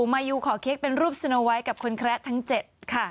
มายูขอเค้กเป็นรูปสเนอร์ไวท์กับคนแคระทั้งเจ็ดค่ะ